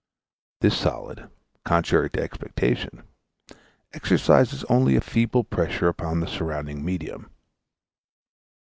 This solid, contrary to expectation, exercises only a feeble pressure upon the surrounding medium.